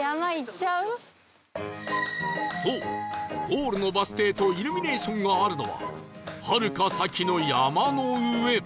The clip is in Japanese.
そうゴールのバス停とイルミネーションがあるのははるか先の山の上